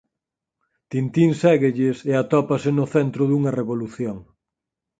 Tintín séguelles e atópase no centro dunha revolución.